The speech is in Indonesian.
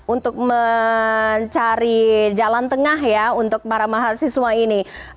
untuk mencari jalan tengah ya untuk para mahasiswa ini